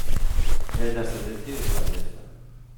Es de ascendencia irlandesa.